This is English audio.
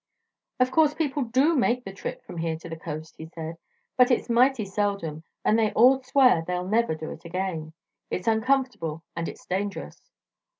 "Of course people do make the trip from here to the coast," he said; "but it's mighty seldom, and they all swear they'll never do it again. It's uncomfortable, and it's dangerous."